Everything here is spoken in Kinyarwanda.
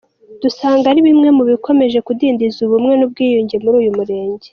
Dusanga ari bimwe mu bikomeje kudindiza ubumwe n’ubwiyunge muri uyu murenge.